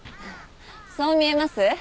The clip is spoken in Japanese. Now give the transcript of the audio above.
そう見えます？